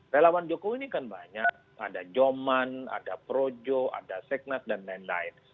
relawan jokowi ini kan banyak ada joman ada projo ada seknas dan lain lain